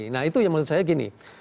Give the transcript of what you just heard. nah itu yang menurut saya gini